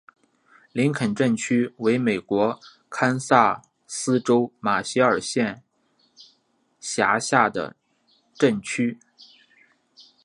林肯镇区为美国堪萨斯州马歇尔县辖下的镇区。